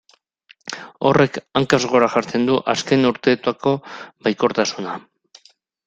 Horrek hankaz gora jartzen du azken urteotako baikortasuna.